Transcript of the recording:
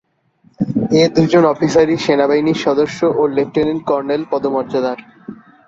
এ দুজন অফিসারই সেনাবাহিনীর সদস্য ও লেফটেন্যান্ট কর্নেল পদমর্যাদার।